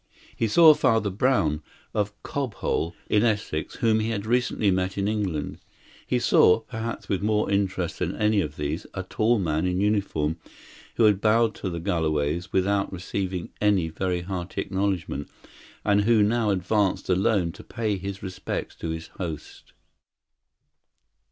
He saw Father Brown, of Cobhole, in Essex, whom he had recently met in England. He saw perhaps with more interest than any of these a tall man in uniform, who had bowed to the Galloways without receiving any very hearty acknowledgment, and who now advanced alone to pay his respects to his host.